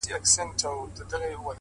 خو هيڅ حل نه پيدا کيږي,